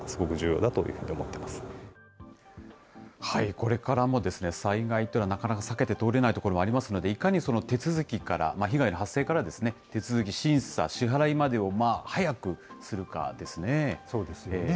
これからも、災害というのは、なかなか避けて通れないところがありますので、いかに手続きから、被害の発生からですね、手続き、審査、そうですよね。